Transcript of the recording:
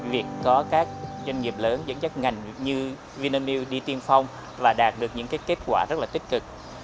việc có các doanh nghiệp lớn dẫn dắt ngành như vinamil đi tiên phong là đạt được những kết quả rất là tích cực